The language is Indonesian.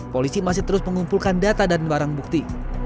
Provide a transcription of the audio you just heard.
polisi masih terus mengumpulkan data dan barang bukti